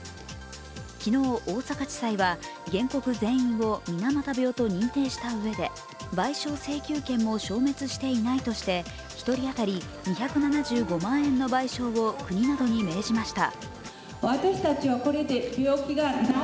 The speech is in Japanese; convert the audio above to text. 昨日、大阪地裁は原告全員を水俣病と認定したうえで賠償請求権も消滅していないとして１人当たり２７５万円の賠償を国などに命じました。